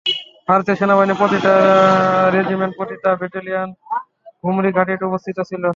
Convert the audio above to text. ভারতীয় সেনাবাহিনীর প্রতিটা রেজিমেন্ট, প্রতিটা ব্যাটালিয়ন ঘুমরি ঘাঁটিতে উপস্থিত ছিল।